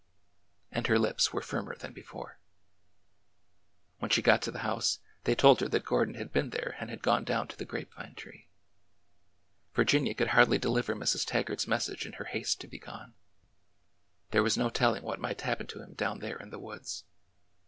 And her lips were firmer than before. When she got to the house, they told her that Gordon had been there and had gone down to the grape vine tree. Virginia could hardly deliver Mrs. Taggart's message in her haste to be gone. There was no telling what might happen to him down there in the woods.